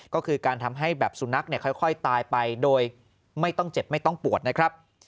ก็คือการทำให้แบบสุนัขค่อยตายไปโดยไม่ต้องเจ็บไม่ต้องปวดนะครับ